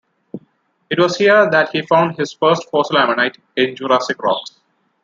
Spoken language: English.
It was here that he found his first fossil ammonite, in Jurassic rocks.